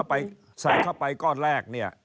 คุณธัญลักษณ์ใส่เข้าไปก้อนแรกเนี่ย